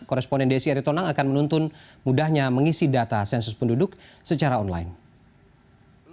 koresponden desi aritonang akan menuntun mudahnya mengisi data sensus penduduk secara online